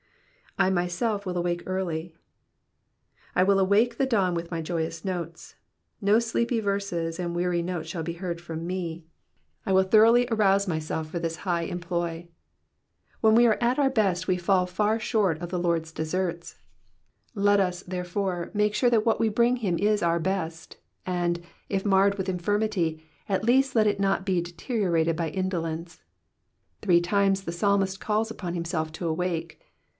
*'/ mysdf will awake early.'' ^ I will awake the dawn with my joyous notes. No sleepy verses and weary notes shall be heard from me ; I will thoroughly arouse myself for this high employ. When we are at our best we fall far short of the Lord's deserts, let us, therefore, make sure that what we bring him is our best, and, if marred with infirmity, at least let it not be deteriorated by indolence. Three times the psalmist calls upon himself to awake.